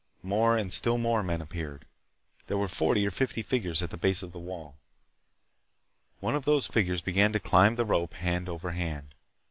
More and still more men appeared. There were forty or fifty figures at the base of the wall. One of those figures began to climb the rope hand over hand.